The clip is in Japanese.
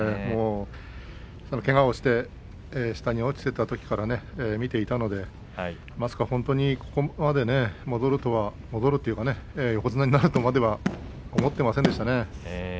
けがをして下に落ちていたときから見ていたのでまさか本当にここまで戻るとは戻るというか横綱になるとまでは思っていませんでしたね。